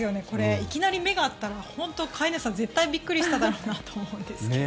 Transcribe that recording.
いきなり目が合ったら本当に飼い主さん絶対びっくりしたと思うんですけど。